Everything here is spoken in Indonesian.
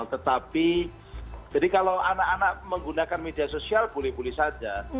tetapi jadi kalau anak anak menggunakan media sosial boleh boleh saja